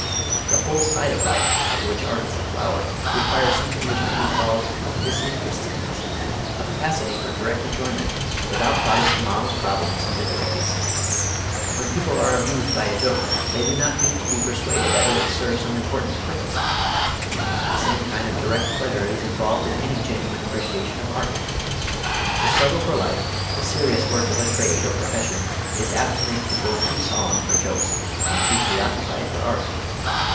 The whole side of life of which art is the flower requires something which may be called disinterestedness, a capacity for direct enjoyment without thought of tomorrow's problems and difficulties. When people are amused by a joke they do not need to be persuaded that it will serve some important purpose. The same kind of direct pleasure is involved in any genuine appreciation of art. The struggle for life, the serious work of a trade or profession, is apt to make people too solemn for jokes and too pre occupied for art.